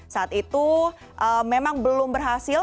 saat itu memang belum berhasil